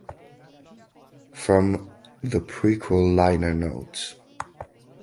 From "The Prequel" liner notes.